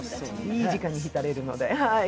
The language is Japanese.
いい時間にひたれるので。